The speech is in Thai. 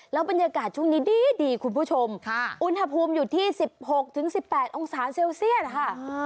บรรยากาศช่วงนี้ดีคุณผู้ชมอุณหภูมิอยู่ที่๑๖๑๘องศาเซลเซียสนะคะ